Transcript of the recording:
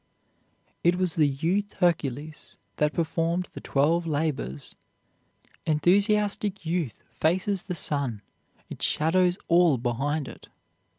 It was the youth Hercules that performed the Twelve Labors. Enthusiastic youth faces the sun, it shadows all behind it.